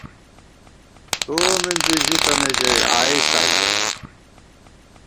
تو مِنزی ژِی تنہ ژَئی “آئېسا” ژَوُم